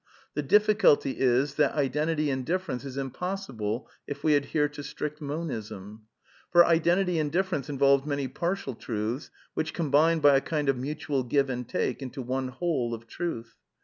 The difficulty is that identity in difference is impossible if we adhere to strie Monism. For identity in difference involves many partial truths, which combine, by a kind of mutual give and take, into one whole of truth.